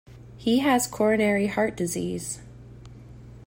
He has coronary heart disease.